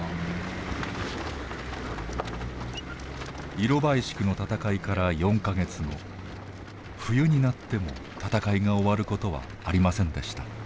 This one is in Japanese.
イロバイシクの戦いから４か月後冬になっても戦いが終わることはありませんでした。